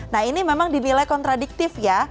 nah ini memang di nilai kontradiktif ya